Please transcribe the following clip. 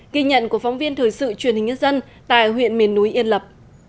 ghi nhận của phóng viên thời sự truyền hình nhân dân tại huyện miền núi yên lập